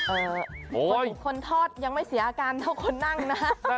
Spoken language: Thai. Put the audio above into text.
คนทอดยังไม่เสียอาการเท่าคนนั่งนะ